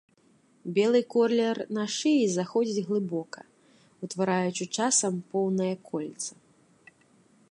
Белы колер на шыі заходзіць глыбока, утвараючы часам поўнае кольца.